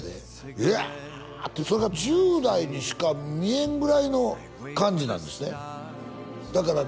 ウワーッてそれが１０代にしか見えんぐらいの感じなんですねだからね